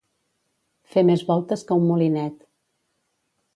Fer més voltes que un molinet.